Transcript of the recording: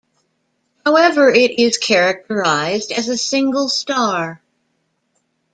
However, it is categorized as a single star.